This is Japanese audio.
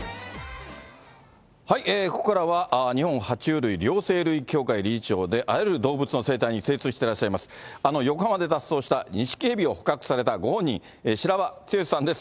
ここからは、日本爬虫類両生類協会理事長で、あらゆる動物の生態に精通していらっしゃいます、あの横浜で脱走したニシキヘビを捕獲されたご本人、白輪剛史さんです。